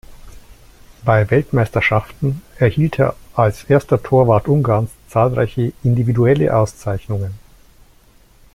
Bei Weltmeisterschaften erhielt er als erster Torwart Ungarns zahlreiche individuelle Auszeichnungen.